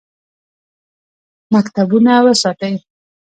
مکتبونه وساتئ